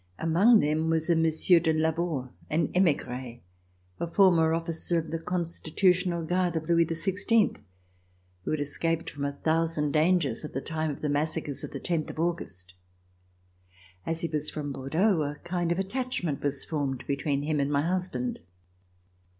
Among them was Monsieur de Lavaur, an emigre, a former officer of the Constitutional Guard of Louis XVI, who had escaped from a thousand dangers at the time of the massacres of the tenth of August. As he was from Bordeaux, a kind of attachment was formed between him and my husband.